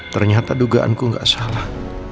ternyata dugaanku gak salah